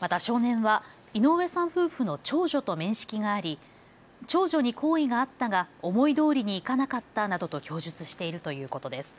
また少年は井上さん夫婦の長女と面識があり長女に好意があったが思いどおりにいかなかったなどと供述しているということです。